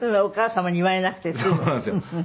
お母様に言われなくて済む？